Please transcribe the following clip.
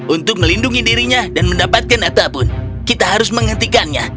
untuk melindungi dirinya dan mendapatkan apapun kita harus menghentikannya